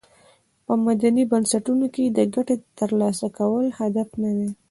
په مدني بنسټونو کې د ګټې تر لاسه کول هدف ندی.